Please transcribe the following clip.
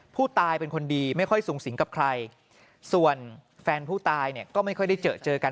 ผู้ตายเป็นคนดีไม่ค่อยสูงสิงกับใครส่วนแฟนผู้ตายเนี่ยก็ไม่ค่อยได้เจอเจอกัน